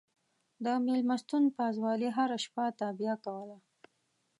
د مېلمستون پازوالې هره شپه تابیا کوله.